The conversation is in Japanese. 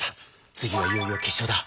次はいよいよ決勝だ。